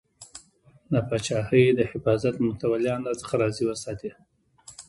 د پاچاهۍ د حفاظت متولیان راڅخه راضي وساتې.